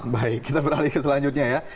baik kita beralih ke selanjutnya ya